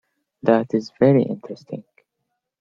That is very interesting.